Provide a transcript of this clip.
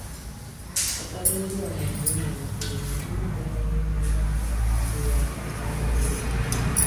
ụfọdụ ndị ọnọmgbeomere kwuru na mmadụ nwụrụ n'ebe ahụ ruru asaa n'ọnụọgụgụ